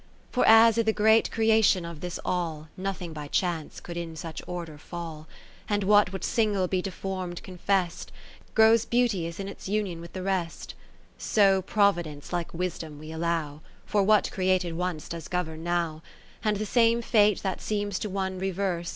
For as i' th' great Creation of this All, Nothing by chance could in such order fall ; And what would single be deform'd confest. Grows beauteous in its union with the rest : So Providence like Wisdom we allow, (For what created once does govern now) 10 And the same Fate that seems to one reverse.